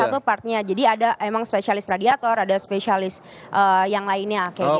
satu persatu partnya jadi ada emang spesialis radiator ada spesialis yang lainnya kayak giaton